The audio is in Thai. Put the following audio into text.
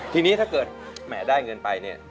ทีนี้ถ้าเกิดแหมได้เงินไปเนี่ย